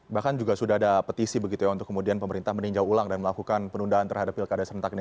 bahkan juga sudah ada petisi begitu ya untuk kemudian pemerintah meninjau ulang dan melakukan penundaan terhadap pilkada serentak ini